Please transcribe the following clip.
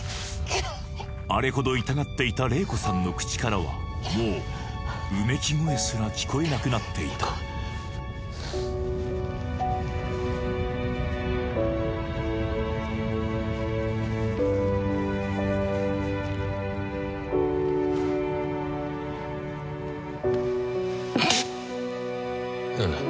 あれほど痛がっていた玲子さんの口からはもううめき声すら聞こえなくなっていた何だ？